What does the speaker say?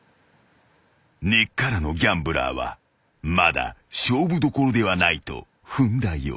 ［根っからのギャンブラーはまだ勝負どころではないと踏んだようだ］